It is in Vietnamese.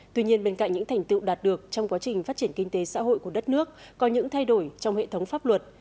tuy nhiên bên cạnh những thành tựu đạt được trong quá trình phát triển kinh tế xã hội của đất nước có những thay đổi trong hệ thống pháp luật